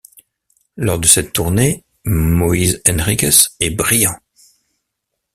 Lors de cette tournée, Moises Henriques est brillant.